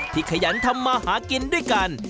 ขยันทำมาหากินด้วยกัน